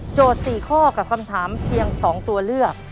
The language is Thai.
๔ข้อกับคำถามเพียง๒ตัวเลือก